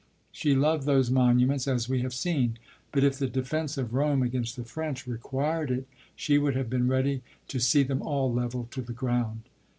She loved those monuments, as we have seen; but if the defence of Rome against the French required it, she would have been ready to see them all levelled to the ground.